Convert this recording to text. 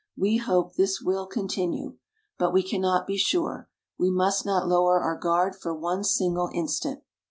We hope this will continue. But we cannot be sure. We must not lower our guard for one single instant.